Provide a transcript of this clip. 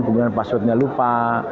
kemudian passwordnya lupa